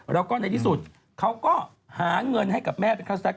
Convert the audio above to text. แล้วก็ในที่สุดเขาก็หาเงินให้กับแม่เป็นคัส